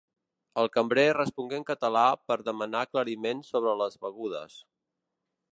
El cambrer respongué en català per demanar aclariments sobre les begudes.